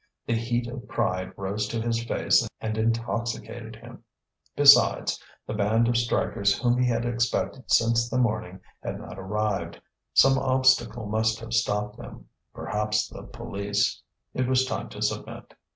The heat of pride rose to his face and intoxicated him. Besides, the band of strikers whom he had expected since the morning had not arrived; some obstacle must have stopped them, perhaps the police; it was time to submit.